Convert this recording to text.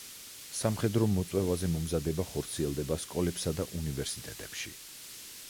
სამხედრო მოწვევაზე მომზადება ხორციელდება სკოლებსა და უნივერსიტეტებში.